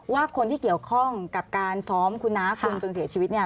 ว่าคนที่เกี่ยวข้องกับการซ้อมคุณน้าคนจนเสียชีวิตเนี่ย